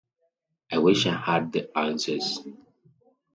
I wish I had the answers.